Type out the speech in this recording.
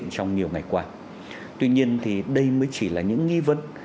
chỉ là những nghi vấn